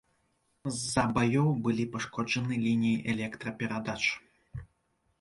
З-за баёў былі пашкоджаны лініі электраперадач.